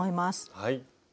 はい。